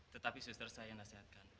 tetapi suster saya yang nasihatkan